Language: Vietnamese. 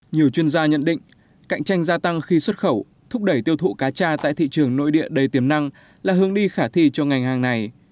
nhiều chuyên gia nhận định cạnh tranh gia tăng khi xuất khẩu thúc đẩy tiêu thụ cá tra tại thị trường nội địa đầy tiềm năng là hướng đi khả thi cho ngành hàng này